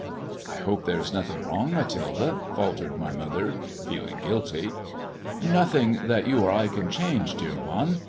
" I hope there is nothing wrong, Mathilde," faltered my mother, feeling guilty. " Nothing that you or I can change, dear one.